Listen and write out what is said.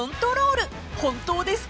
［本当ですか？］